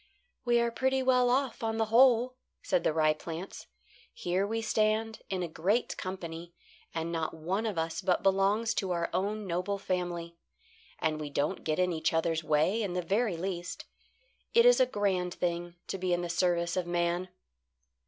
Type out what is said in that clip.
"We are pretty well off on the whole," said the rye plants. "Here we stand in a great company, and not one of us but belongs to our own noble family. And we don't get in each other's way in the very least. It is a grand thing to be in the service of man."